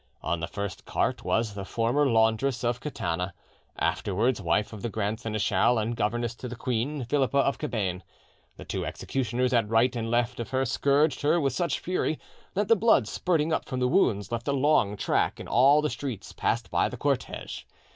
On the first cart was the former laundress of Catana, afterwards wife of the grand seneschal and governess to the queen, Philippa of Cabane: the two executioners at right and left of her scourged her with such fury that the blood spurting up from the wounds left a long track in all the streets passed by the cortege.